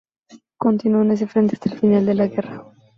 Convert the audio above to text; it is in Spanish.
Continuó en este frente hasta el final de la guerra.